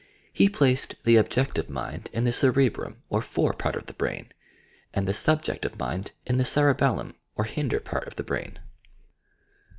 He placed the "objective" mind in the cerebram, or fore part of the brain, and the "subjective" mind in the cerebellum, or hinder part of the brain.